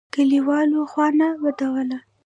کلیوالو خوا نه بدوله.